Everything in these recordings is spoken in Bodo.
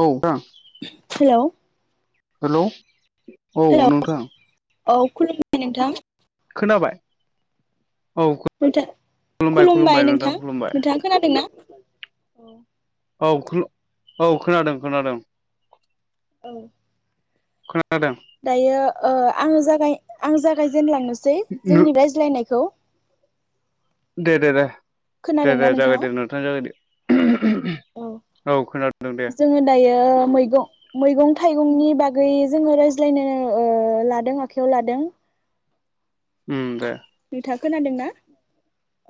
औ दा हेलौ हेलौ हेलौ औ नोंथां औ खुलुमबाय नोंथां खोनाबाय औ नोंथा खुलुमबाय नोंथां नोंथाङा खोनादोंनाा औ औ खुलु औ खोनादों खोनादों औ खोनादों दायो ओ आङो आं जागायजेनलांनोस सै जोंनि रायज्लायनायखौ दे दे दे दे खोनादोंना दे जागाय नोंथाङा दे नोंथां जागाय दे औ औ खोनादों दे जोङो दायो मैगं मैगं थाइगंनि बाग गै जोङो रायज्लायनो लादों आखायाव लादों उम दे नोंथाङा खोनादोंना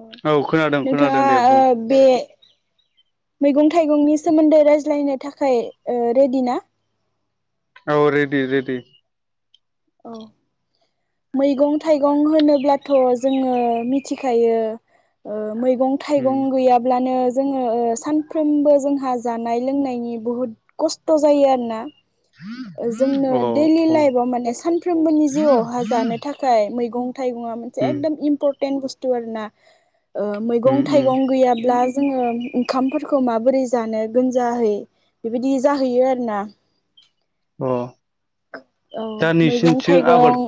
औ खोनादों खोनादों नोंथाङा दे ओ बुं बे मैगं थाइगंनि सोमोन्दै रायज्लायनो थाखाय रेडि ना औ रेडि रेडि औ मैगं थाइगं होनोब्लाथ' जोङो मिथिखायो ओ मै मैगं उम थाइगं गैयाब्लानो ज जोङो सानफ्रोमबो जोंहा जानाय लोंनायनि बुहुद खस्थ' जायो आरोना जोंनो अ औ दैलि उम लाइफआव माने सानफ्रोमबोनि जिउआवहा जानो थाखाय मै थाइगङा मोनसे एदम इम्परटेन्ट मेन बुस्थु आर ना ओ मैगं उम उम थाइगं गैयाब्ला जोङो ओंखामफोरखौ माबोरै जानो गोनजाहै बेबायदि जाहैयो आरोना अ औ दा मैगं नोंसिनथिं आबाद थाइगं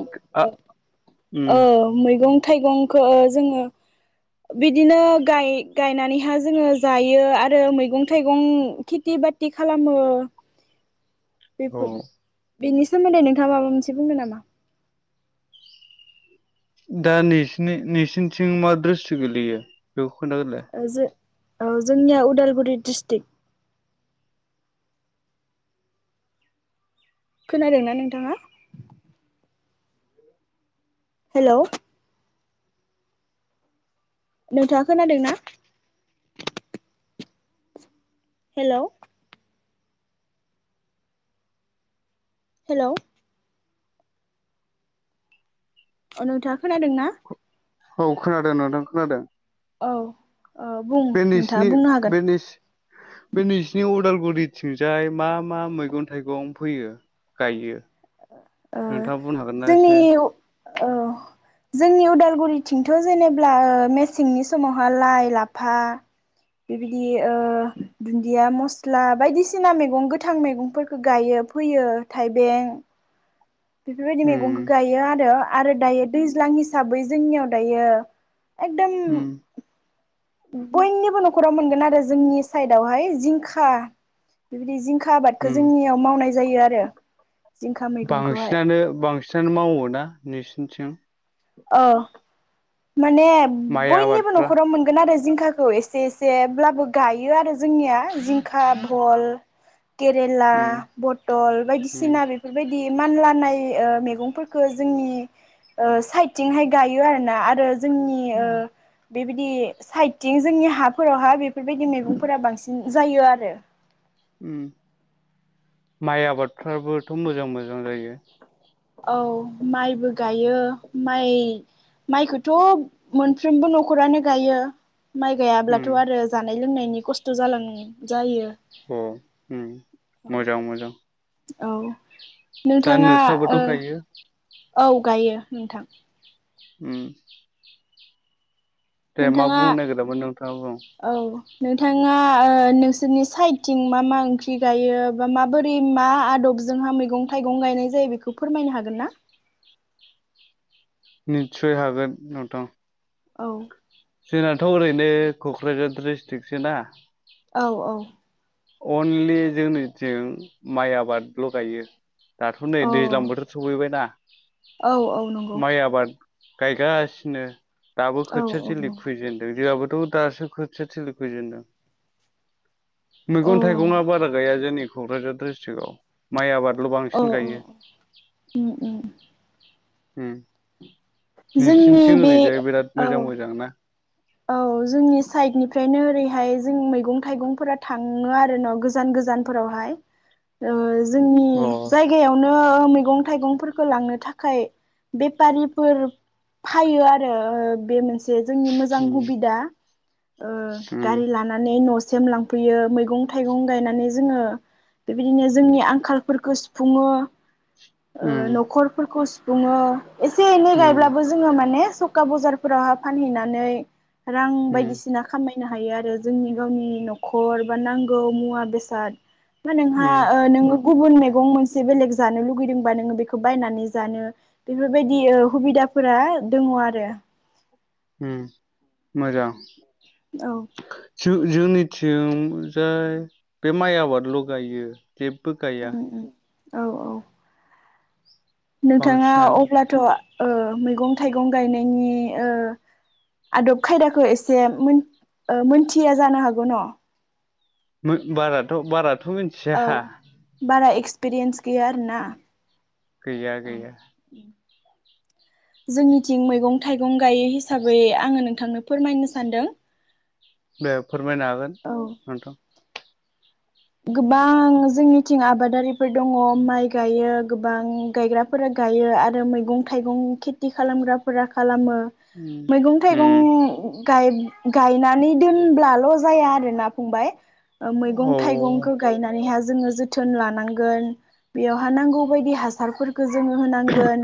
औ उम मैग गं थाइगंखो जोङो बिदिनो गाय गायनानैहा जोङो जायो आरो मैगं- थाइगं खेथि बाटि खालामो औ बेफो बेनि सोमोन्दै नोंथाङा माबा मोनसे बुंनो नामा दा नैस नै नोंसिनिथिं मा द्रिस्टिक गोलैयो [unintelligible] खोनथा ग्रोलाय औ जोंनिया उदालगुरि डिस्टिक खोनादोंना नोंथाङा हेलौ नोंथाङा खोनादों ना हेलौ हेलौ अ नोंथाङा खोनादों ना औ खोनादों नोंथां खोनादों औ बुं बे नोंथाङा नोंसिनि बुंनो हागोन बे निस बे नोंसिनि अदाल गुरिथिंजाय मा मा मैगं- थाइगं फोयो गायो ओ नोंथाङा बुंनो हागोन ना एसे जोंनियाव ओ जोंनि उदालगुरिथिंथ' जेनेब्ला ओ मेसेंनि समावहा लाइ- लाफा बेबायदि ओ दुन्दिया मस्ला बायदिसिना मेगं गोथां मेगंफोरखो गायो फोयो थाइबें बेफोरबायदि मैगंखो उम गायो आरो आरो द दायो दैज्लां हिसाबै जोंनियाव दायो एकदोम उम बयनिबो न'खराव मोनगोन आरो जोंनि साइडआवहाय जिंखा बेबायदि जिंख खा आबादखो उम जोंनियाव मावनाय जायो आरो जिंखा मैगंखौहाय बांसिनानो न्थिं औ माने माइ बयनिबो आबादफ्रा न'खराव मोनगोन आरो ज जिंखाखौ एसे एसेब्लाबो गायो आरो जोंनिया जिंखा भल केरेला उम बटल उम बायदिसिना बेफोरबायदि मानलानाय ओ मेगंफोरखो जोंनि ओ साइत थिंहाय गायो आरो ना आरो ओ उम बेबायदि साइडथिं जोंनि हाफोरावहा बेफोरबायदि मेगंफोरा बांसिन जायो आरो उम माइ आबादफ्राबोथ' मोजां मोजां जायो औ माइबो गायो माइ माइखोथ' मोनफ्रोमबो न'खरानो गायो माइ उम गायाब्लाथ' आरो जानाय लोंनायनि खस्थ' जालां जायो अ' उम मोजां मोजां। औ दा नोंथाङा नोंस्राबोथ' गायो ओ औ गायो नोंथां। उम दे मा नोंथाङा बुंनो नागिरदोंमोन नोंथाङा बुं? औ नोंथाङा ओ नोंसोरनि सायदथिं मा मा ओंख्रि गायो। बा माबोरै मा आदबजोंहा मैगं थाइगं गायनाय जायो बेखौ फोरमायनो हागोन ना? निथसय हागोन नोंथां। औ जोंनाथ' ओरै बे क'क्राझार द्रिसट्रिकसो ना? औ औ अनलि जोंनिथिं माइ आबादल' गायो। दाथ' नै अ दैज्लां बोथोर सफैबाय ना औ औ नंगौ माइ आबाद गायगासिनो दाबो औ खोथिया औ थिलि नंगौ खुजेनदों जोआबो थ' दासो खोथिया थिलि फोजेनदों। औ मैगं थाइगङा बारा गाया जोंनि क'क्राझार डिस्ट्रिकआव माइ आबाद ल' औ बांसिन गायो। औ उम उम उम जोंनि नोंसिनिथिं बे ओरैजाय बिराद औ मोजां मोजां ना? औ जोंनि सायदनिफ्रायनो ओरैहाय जों मैगं थाइगंफोरा थाङो आरो न' गोजान गोजानफोरावहाय ओ जोंनि अ जायगायावनो मैगं थाइगंफोर खो लांनो थाखाय बेफारिफोर फायो आरो ओ बे मोनसे जां उम हुबिदा। ओ गारि लानानै न' सेम लांफैयो। मैगं थाइगं गायनानै जोङो बे बायदिनो जोंनि आंखालफोरखौ सुफुङो। ओ उम न'खरफोरखौ सु बुङो। एसे एनै उम गायब्लाबो जोङो माने थ'खा बजारफोराव फानहैनानै रां उम बायदिसिना खामाय नो हायो आरो। जोंनि गावनि न'खर बा नांगौ मुवा बेसाद ओ नोंहा उम ओ नों गुबुन मैगं मोनसे बेलेग जानो लुगैदोंबा नोङो बेखौ बायनानै जानो बेफोरबायदि हुबिदाफोरा दङ आरो। उम मोजां औ जो-जोंनिथिं जाय बे माइ आबादल' गायो। जेबो गाया औ औ नोंथाङा बांसिनानो अब्लाथ' ओ मैगं थाइगं गायनायनि ओ आदब खायदाखौ एसे मोन ओ मोनथिया जानो हागौ न'? मोन बाराथ' बाराथ' औ मिथिया बारा एक्स पिरियेन्स गैया आरोना गैया औ गैया जोंनिथिं मैगं थाइगं गायो हिसाबै आङो नोंथांनो फोरमायनो सानदों दे फोरमायनो हागोन औ नोंथां। गोबां जोंनिथिं आबादारिफोर दङ माइ गायो गोबां गायग्राफोरा गायो आरो मैगं थाइगं खेथि खालामग्राफोरा खालामो। उम मैगं उम थाइगं गाय-गायनानै दोनब्लाल' जाया आरो ना फंबाय ओ औ मैगं औ थाइगंखौ गायनानै हाय जोंङो जोथोन लानांगोन बेयावहा नांगौ बायदि हासारफोर खो जोङो होनांगोन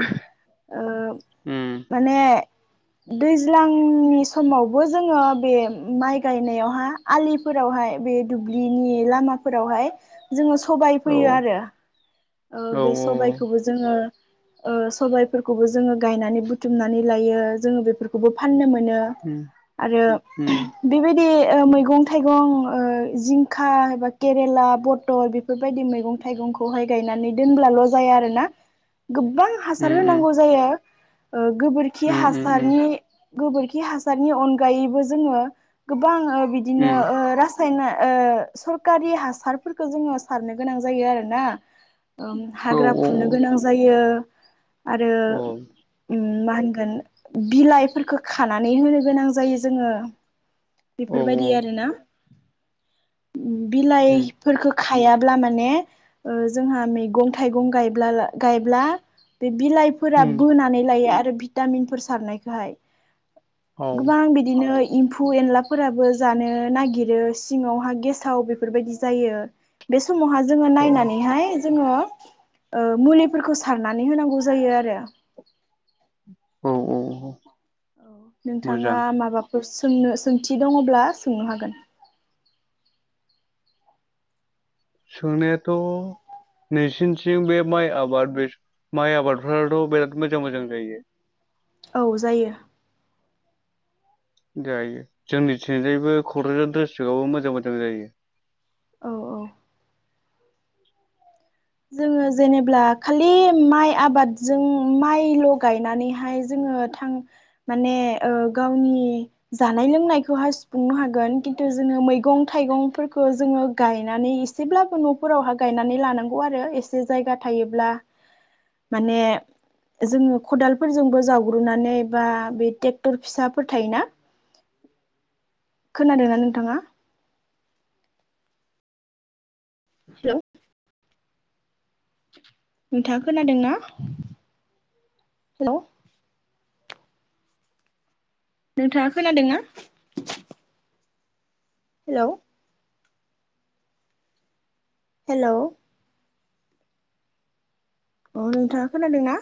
ओ उम माने दैज्लांनि समावबो जोङो बे माइ गायनायावहा आलिफोरावहाय बे दुब्लिनि बे लामाफोरावहाय जोङो सबाय औ फोयो आरो। ओ औ बे सबायखौबो जोङो ओ ओ सबायफोरखौबो जोङो गायनानै बुथुमनानै लायो जोङो बेफोरखौबो फाननो मो नो उम आरो उम बेबाय बे ओ मैगं थाइगं ओ जिंखा एबा केरेला पटल बेफोरबायदि मैगं थाइगंखौहाय गायनानै दोनब्लाल' जाया आरोना गोबां उम हासार उम होनांगौ जायो। ओ गोबोरखि उम उम उम हासारनि गोबोरखि हासारनि अनगायैबो जोङो गो बां ओ बिदिनो उम ओ बायना ओ सरखारि हासारफोरखौ जोङो सारनो गोनां जायो आरोना। ओम औ हाग्रा फुनो गोनां जायो। आरो औ उम मा होनगोन बिलाइफोरखौ खानानै होनो गोनां जायो जोंङो। औ औ बेफोरबायदि आरोना। उम बिलाइफोरखो खायाब्ला माने ओ जोंहा मैगं थाइगं गायब्लाला गायब्ला बे बिलाइफोरा उम बोनानै लायो आ रो भिटामिनफोर सारनायखोहाय। औ गोबां बिदिनो एम्फौ एनलाफोराबो जानो नागिरो सिंङावहा गेसाव बेफोरबायदि जायो बे समावहा जोंङो औ नायनानै जोंङो मुलिफोरखौ सारनानै होनांगौ जायो आरो। औ औ। औ नोंथाङा मोजां माबा। सोंनो सोंथि दंङब्ला सोंनो हागोन। सोंनायाथ नोंसिनिथिं बे माइ आबाद बे माइ आबादफ्राथ बिराद मोजां मोजां जायो। औ जायो। जायो जोंनिथिंजायबो कक्राझार डिस्ट्रिगआवबो मोजां मोजां जायो। औ औ। जोंङो जेनेब्ला खालि माइ आबादजों माइल गायनानैहाय जोंङो माने गावनि जानाय लोंनायखौहाय सुफुंनो हागोन खिन्थु जोंङो मैगं थाइगंफोरखौ जोंङो गायनानै एसेब्लाबो नफोरावहाय गायनानै लानांगौ। एसे जायगा थायोब्ला माने जोंङो खदालफोरजोंबो जावग्रिनानै बा बे ट्रेक्टर फिसाफोर थायोना। खोनादों ना नोंथाङा। [inaudible] हेलौ। नोंथाङा खोनादोंना हेलौ। नोंथाङा खोनादोंना। हेलौ। हेलौ। औ नोंथाङा खोनादोंना।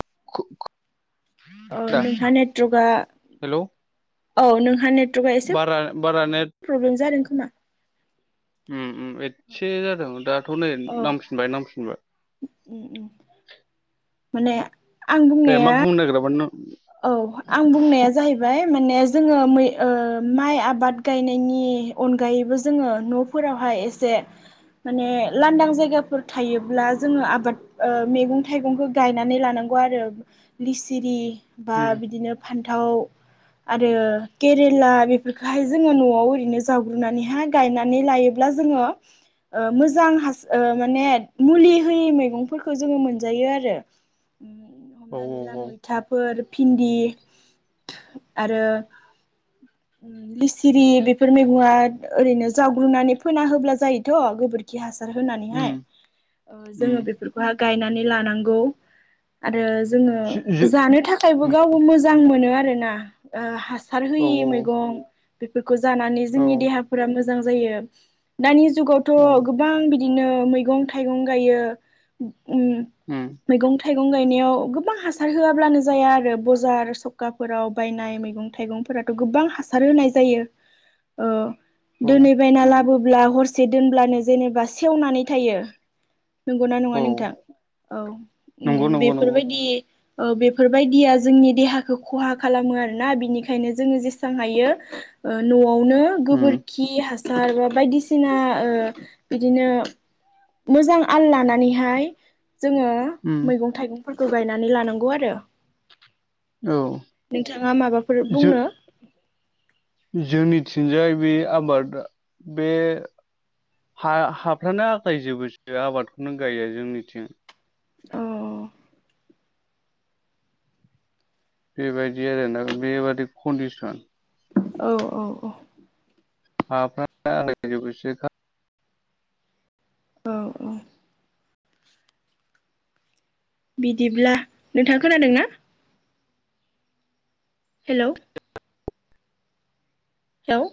[inaudible] औ दा नोंहा नेटवर्कआ हेलौ औ नोंहा नेटवर्कआ एसे बारा बारा नेट प्रब्लेम जादों। ना। उम एसे जादों दा। दाथ नै औ नांफिनबाय नांफिनबाय। उम उम। माने। आं दे मा बुंनाया बुंनो नागिरामोन नों। औ आं बुंनाया जाहैबाय माने जोंङो बै माइ आबाद गायनायनि अनगायैबो जोंङो नफोरावहाय एसे माने लांदां जायगाफोर थायोब्ला जोंङो आबाद मैगं थाइगंखौ गायनानै लानांगौ आरो लेस्रा। बा उम बिदिनो फानलु। फानथाव आरो केेरेला बेफोरखौहाय जोंङो न'आव ओरैनो जावग्रिनानैहाय गायनानै लायोब्ला जोङो मोजां माने मुलि होयै मैगंफोरखौ जोंङो मोनजायो आरो। औ हमनानै ला औ मैथा फिन्दि आरो लेस्रा बेफोर मैगङा ओरैनो जावग्रिनानै फोना होब्ला जायोथ गोबोरखि हासार होनानैहाय उम जोंङो उम बेफोरखौ गायनानै। लानांगौ आरो जोंङो सि- जो जानो थाखायबो उम गावबो मोजां मोजां मोनो आरो ना ओ हासार हासार औ होयै मैगं बेफोरखौ जानानै औ जोंनि देहाफोरा मोजां मोजां जायो दानि जुगावथ' औ गोबां बिदिनो मै मैगं-थाइगं गायो उम उम मैगं थाइगं गायनायाव गोबां हासार होआब्लानो जाया आरो बजार सखाफोराव बायनाय मैगं थाइगंफोराथ' गोबां हासार होनाय जायो ओ औ दोनै बायना लाबो ब्ला हरसे दोनब्लानो जेनेबा सेवनानै थायो। नंगौ ना नङा औ नोंथां औ नंगौ उम नंगौ नंगौ बेफोरबायदि ओ बेफोरबायदिया जोंनि देहाखौ खहा खालामो आरो ना बिनिखायनो जोङो जेसे हायो ओ न' आवनो उम गोबोरखि हा सार बा बायदिसिना ओ बिदिनो मोजां आल लानानैहाय जोङो उम मैगं थाइगंफोरखौ गायनानै लानां गौ आरो औ नोंथाङा माबाफोर जो बुंनो जोंनिथिंजाय बे आबादा बे हा-हाफ्रानो आग्लायजोबोसो आबादखौनो गाया जोंनिथिं। औ। बेबायदि आरो ना बेबादि कन्डिसन औ औ औ हाफ्रानो आग्लायजोबोसो। औ औ। बिदिब्ला नोंथाङा खोनादों ना? Hello hello